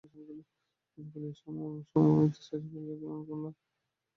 উপকূলীয় সমভূমিতে সাইট্রাস গাছ যেমন কমলা, লেবু এবং আঙ্গুর জন্মে।